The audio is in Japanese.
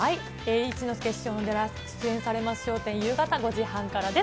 一之輔師匠が出演されます笑点、夕方５時半からです。